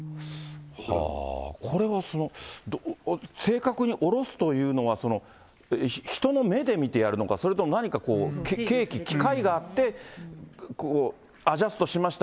これはその、正確に降ろすというのは、人の目で見てやるのか、それとも何かこう、計器、機械があってアジャストしました、